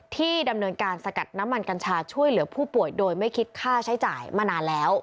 ที่ดำเนินการสกัดน้ำมันกัญชาช่วยเหลือผู้ป่วยโดยไม่คิดค่าใช้จ่ายมานานแล้ว